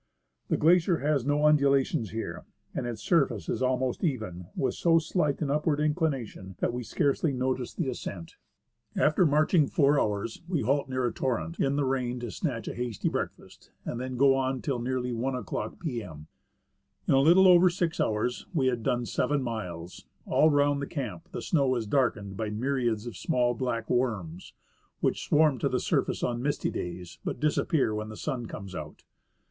The glacier has no undulations here, and its surface is almost even, with so slight an upward inclination that we scarcely notice the ascent. 90 A HALT ON THE MALASI'INA. THE MALASPINA GLACIER After marchine four hours we halt near a torrent, in the rain, to snatch a hasty breakfast ; and then go on till nearly I o'clock p.m. In a little over six hours we had done seven miles. All round the camp the snow is darkened by myriads of small black worms, which swarm to the surface on misty days, but disappear when the sun comes out.